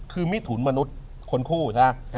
คือมิถุนมนุษย์คนคู่